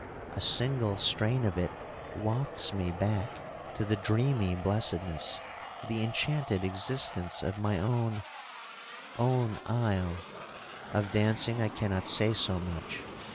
A single strain of it wafts me back to the dreamy blessedness, the enchanted existence, of my own—own isle. Of dancing I cannot say so much.